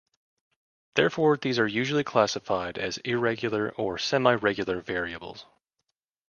Therefore, they are usually classified as irregular or semiregular variables.